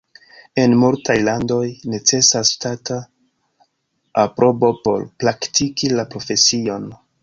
En multaj landoj necesas ŝtata aprobo por praktiki la profesion.